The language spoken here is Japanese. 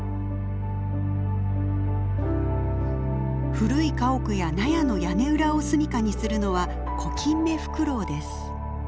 古い家屋や納屋の屋根裏を住みかにするのはコキンメフクロウです。